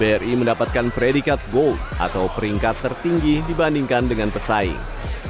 bri mendapatkan predikat goal atau peringkat tertinggi dibandingkan dengan pesaing